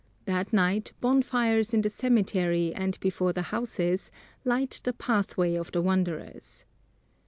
That night bonfires in the cemetery and before the houses light the pathway of the wanderers.